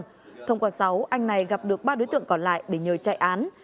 trong đó thông qua sáu anh này gặp được ba đối tượng còn lại để nhờ chạy án